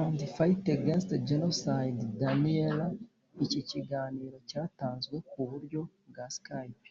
and fight against genocide denial Iki kiganiro cyatanzwe ku buryo bwa Skype